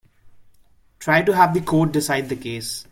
Try to have the court decide the case.